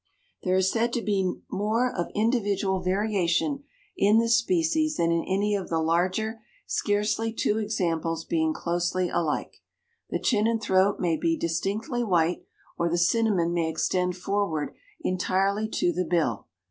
There is said to be more of individual variation in this species than in any of the larger, scarcely two examples being closely alike. The chin and throat may be distinctly white, or the cinnamon may extend forward entirely to the bill.